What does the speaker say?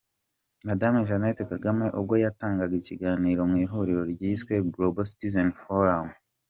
Madame Jeannette Kagame ubwo yatangaga ikiganiro mu ihuriro ryiswe "Global Citizen Forum’